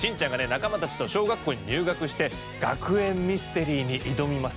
仲間たちと小学校に入学して学園ミステリーに挑みます。